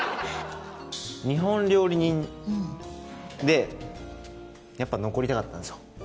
日本料理人でやっぱ残りたかったんですよ